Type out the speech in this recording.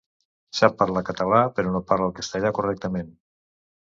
Sap parlar català, però no parla el castellà correctament.